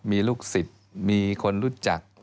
มีลูกศิษย์มีคนรู้จัก